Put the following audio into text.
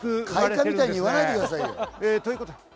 開花みたいに言わないでくださいよ！